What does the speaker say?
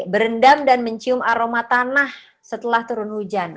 berendam dan mencium aroma tanah setelah turun hujan